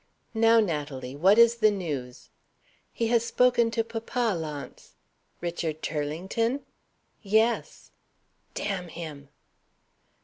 "Now, Natalie, what is the news?" "He has spoken to papa, Launce." "Richard Turlington?" "Yes." "D n him!"